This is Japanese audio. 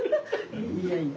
いやいや。